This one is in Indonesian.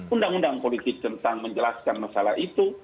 undang undang politik tentang menjelaskan masalah itu